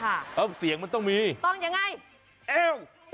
ต้องรวมส่งตัวเบื่อกับที่ไหน